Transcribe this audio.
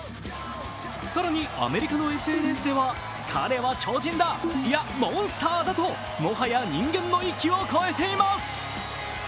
さらにアメリカのＳＮＳでは彼は超人だ、いや、モンスターだともはや人間の域を超えています。